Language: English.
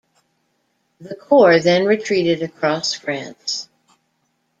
The corps then retreated across France.